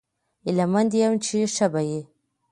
هیله مند یم چې ښه به یې